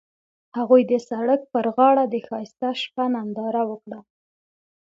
هغوی د سړک پر غاړه د ښایسته شپه ننداره وکړه.